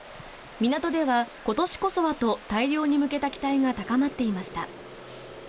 港では今年こそはと大漁に向けた期待が高まっていました。